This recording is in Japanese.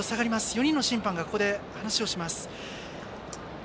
４人の審判が話をします。